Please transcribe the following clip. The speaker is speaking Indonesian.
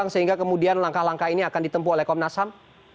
sehingga kemudian langkah langkah ini akan ditempuh oleh komnas ham